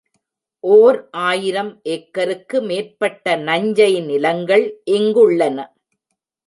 ஓர் ஆயிரம் ஏக்கருக்கு மேற்பட்ட நஞ்சை நிலங்கள் இங்குள்ளன.